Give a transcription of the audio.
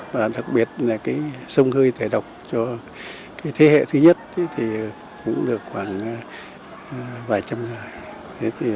và đặc biệt là sông hơi tải độc cho thế hệ thứ nhất cũng được khoảng vài trăm người